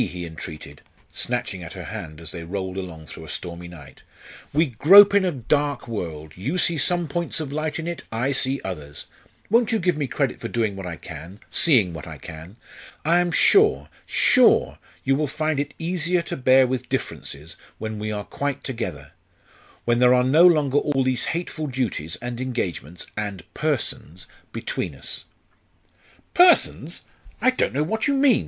he entreated, snatching at her hand as they rolled along through a stormy night. "We grope in a dark world you see some points of light in it, I see others won't you give me credit for doing what I can seeing what I can? I am sure sure you will find it easier to bear with differences when we are quite together when there are no longer all these hateful duties and engagements and persons between us." "Persons! I don't know what you mean!"